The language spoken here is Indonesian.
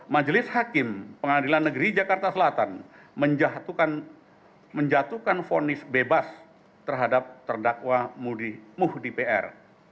majelis hakim pengadilan negeri jakarta selatan menjatuhkan fonis bebas terhadap terdakwa muhdi pr